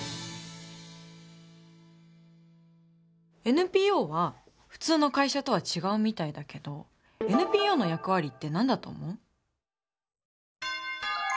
ＮＰＯは普通の会社とは違うみたいだけどＮＰＯの役割って何だと思う？